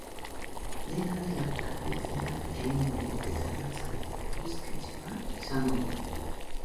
Dena dela, argitzera egingo du eta arratsalde eguzkitsua izango dugu.